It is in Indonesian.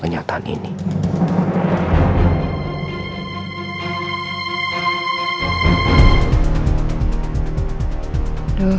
saya yakin ini salah